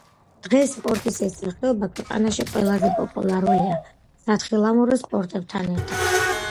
დღეს სპორტის ეს სახეობა ქვეყანაში ყველაზე პოპულარულია სათხილამურო სპორტთან ერთად.